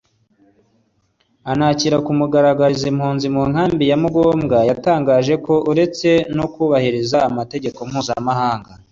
anakira ku mugaragaro izi mpunzi mu nkambi ya Mugombwa yatangaje ko uretse no kubahiriza amategeko mpuzamahanga